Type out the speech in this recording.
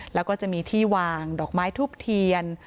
แล้วก็จะมีที่วางดอกไม้ทูบเทียน